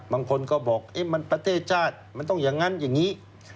บางคนก็บอกมันประเทศชาติมันต้องอย่างนั้นอย่างนี้